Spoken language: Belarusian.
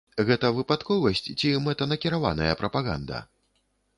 Гэта выпадковасць ці мэтанакіраваная прапаганда?